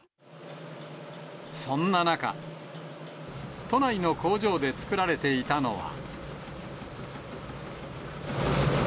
そんな中、都内の工場で作られていたのは。